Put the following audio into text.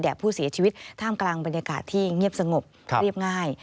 ผู้เสียชีวิตท่ามกลางบรรยากาศที่เงียบสงบเรียบง่าย